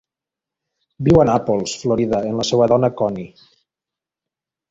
Viu a Nàpols, Florida, amb la seva dona, Connie